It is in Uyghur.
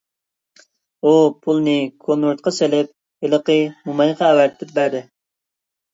ئۇ پۇلنى كونۋېرتقا سېلىپ، ھېلىقى مومايغا ئەۋەتىپ بەردى.